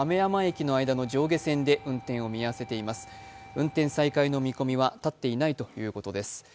運転再開の見込みは立っていないということです。